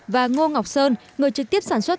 và ngô ngọc sơn người trực tiếp sản xuất